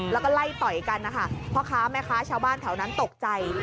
แล้วก็ไล่ต่อยกันนะคะพ่อค้าแม่ค้าชาวบ้านแถวนั้นตกใจ